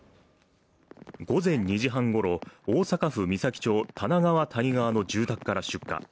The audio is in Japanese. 午前２時半ごろ、大阪府岬町多奈川谷川の住宅から出火。